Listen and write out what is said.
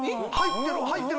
入ってる？